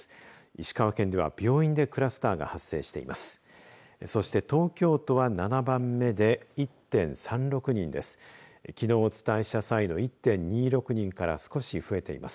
石川県では病院でクラスターが発生しています。